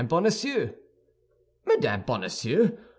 Bonacieux. Mme. Bonacieux!